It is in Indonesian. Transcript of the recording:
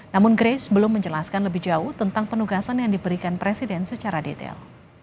namun grace belum menjelaskan lebih jauh tentang penugasan yang diberikan presiden secara detail